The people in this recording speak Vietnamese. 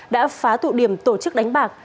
đã phá tụ điểm tổ chức đánh bạc